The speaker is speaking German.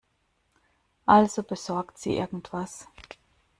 Also besorgt sie irgendwas.